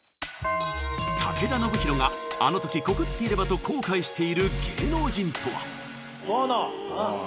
武田修宏があの時告っていればと後悔している芸能人とは？